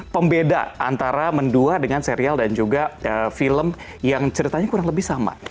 pembeda antara mendua dengan serial dan juga film yang ceritanya kurang lebih sama